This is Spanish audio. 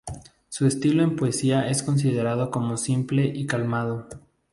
Su estilo de poesía es considerado como simple y calmado.